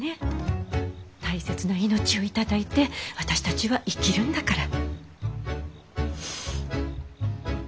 大切な命を頂いて私たちは生きるんだから。